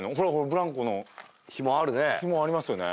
ブランコのひもありますよね